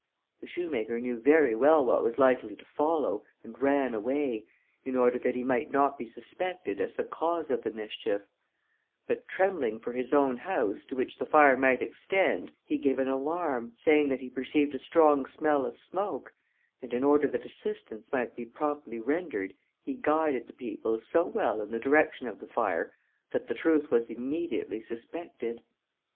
The shoemaker knew very well what was likely to follow, and ran away, in order that he might not be suspected as the cause of the mischief; but trembling for his own house, to which the fire might extend, he gave an alarm, saying that he perceived a strong smell of smoke; and in order that assistance might be promptly rendered, he guided the people so well in the direction of the fire, that the truth was immediately suspected.